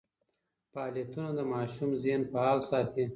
فعالیتونه د ماشوم ذهن فعال ساتي.